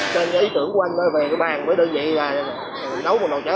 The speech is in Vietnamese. nên ý tưởng của anh về cái bàn với đơn vị là nấu một nồi cháo